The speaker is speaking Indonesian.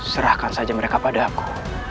serahkan saja mereka padaku